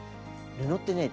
布ってね